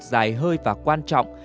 giải hơi và quan trọng